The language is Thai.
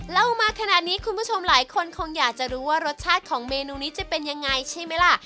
เล่ามาขนาดนี้คุณผู้ชมหลายคนคงอยากจะรู้ว่ารสชาติของเมนูนี้จะเป็นยังไงใช่ไหมล่ะ